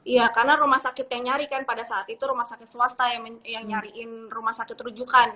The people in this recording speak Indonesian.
iya karena rumah sakit yang nyari kan pada saat itu rumah sakit swasta yang nyariin rumah sakit rujukan